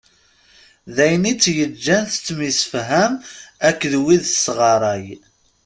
D ayen i tt-yeǧǧan tettemsefham akk d wid tesɣray.